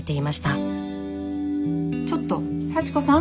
ちょっと幸子さん？